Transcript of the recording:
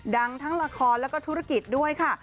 ดังทั้งละครแล้วก็ธุรกิจด้วยค่ะ